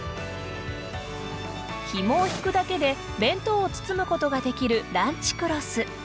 ひもを引くだけで弁当を包むことができるランチクロス。